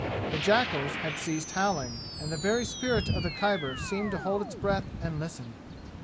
The jackals had ceased howling, and the very spirit of the Khyber seemed to hold its breath and listen.